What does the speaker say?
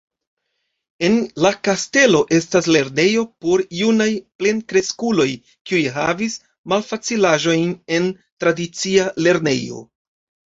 En la kastelo estas lernejo por junaj plenkreskuloj, kiuj havis malfacilaĵojn en tradicia lernejo.